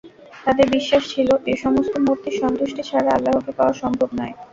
তাদের বিশ্বাস ছিল, এ সমস্ত মূর্তির সন্তুষ্টি ছাড়া আল্লাহকে পাওয়া সম্ভব নয়।